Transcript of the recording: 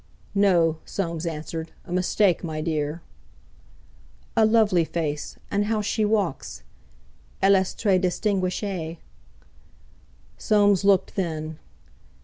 "No," Soames answered; "a mistake, my dear." "A lovely face! And how she walk! Elle est très distinguée!" Soames looked then.